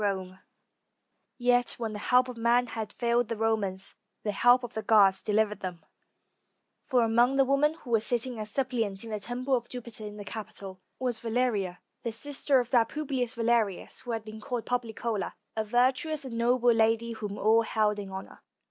303 ROME Yet, when the help of man had failed the Romans, the help of the gods delivered them; for among the women who were sitting as suppliants in the temple of Jupiter in the Capitol, was Valeria, the sister of that Publius Valerius who had been called Poplicola, a virtuous and noble lady whom all held in honor.